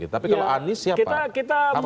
tapi kalau anies siapa